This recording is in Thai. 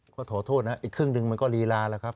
ก็ขอโทษนะอีกครึ่งหนึ่งมันก็ลีลาแล้วครับ